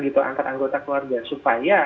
gitu angkat anggota keluarga supaya